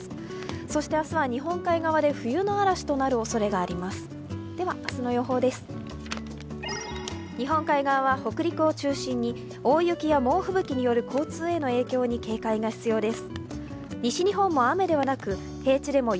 そして明日は日本海側で冬の嵐となるおそれがあります。